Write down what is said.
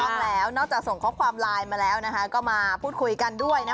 ต้องแล้วนอกจากส่งข้อความไลน์มาแล้วก็มาพูดคุยกันด้วย